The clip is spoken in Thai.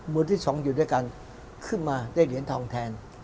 ที่สองอยู่ด้วยกันขึ้นมาได้เหรียญทองแทน